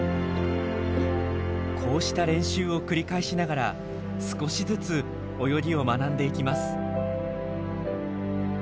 こうした練習を繰り返しながら少しずつ泳ぎを学んでいきます。